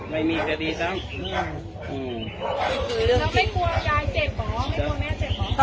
ไม่มีคดีซ้ำอืมแล้วไม่กลัวยายเจ็บเหรอ